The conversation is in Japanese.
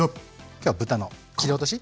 今日は豚の切り落とし。